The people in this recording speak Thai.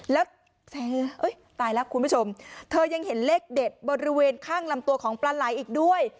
แล้วตายแล้วคุณผู้ชมเธอยังเห็นเลขเด็ดบริเวณข้างลำตัวของปลาไหล่อีกด้วย